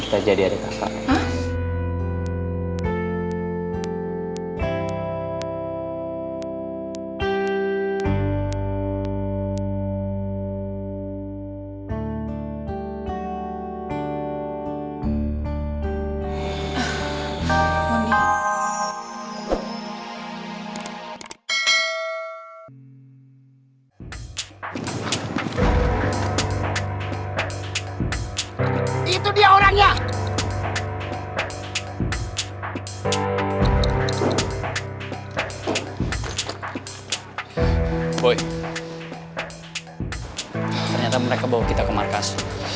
ternyata mereka bawa kita ke markas